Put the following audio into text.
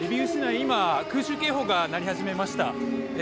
今、空襲警報が鳴り始めました。